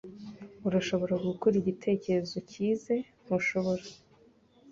Urashobora gukora igitekerezo cyize, ntushobora?